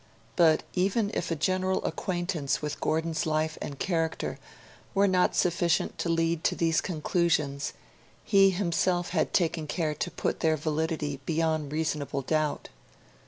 But, even if a general acquaintance with Gordon's life and character were not sufficient to lead to these conclusions, he himself had taken care to put their validity beyond reasonable doubt.